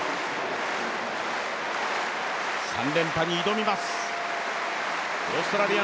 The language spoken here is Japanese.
３連覇に挑みます。